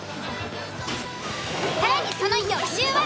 更にその翌週は。